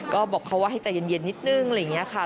ก็บอกเขาว่าให้ใจเย็นนิดนึงอะไรอย่างนี้ค่ะ